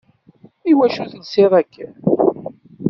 Iwacu telsiḍ akken?